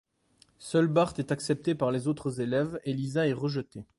Seul Bart est accepté par les autres élèves et Lisa est rejetée.